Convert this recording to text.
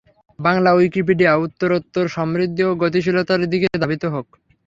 Bangla Wikipedia উত্তরোত্তর সমৃদ্ধি ও গতিশীলতার দিকে ধাবিত হোক।